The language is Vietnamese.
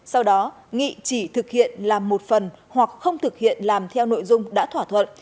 sau đó nghị chỉ thực hiện làm một phần hoặc không thực hiện làm theo nội dung đã thỏa thuận